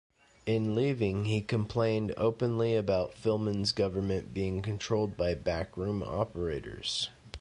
In leaving, he complained openly about Filmon's government being controlled by backroom operators.